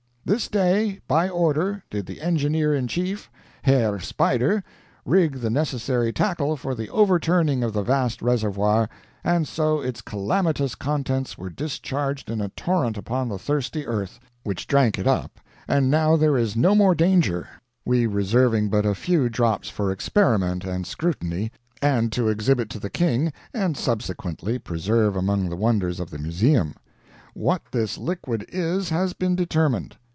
"This day, by order, did the engineer in chief, Herr Spider, rig the necessary tackle for the overturning of the vast reservoir, and so its calamitous contents were discharged in a torrent upon the thirsty earth, which drank it up, and now there is no more danger, we reserving but a few drops for experiment and scrutiny, and to exhibit to the king and subsequently preserve among the wonders of the museum. What this liquid is has been determined.